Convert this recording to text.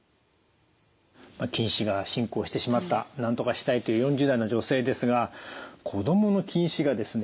近視が進行してしまったなんとかしたいという４０代の女性ですが子どもの近視がですね